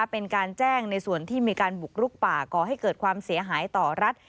เป็นการแจ้งในส่วนที่มีการบุกลุกป่าก่อให้เกิดความเสียหายต่อรัฐ